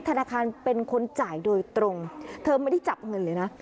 ธนาคารเป็นคนจ่ายโดยตรงเธอไม่ได้จับเงินเลยนะ